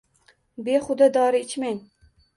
Behuda dori ichmang.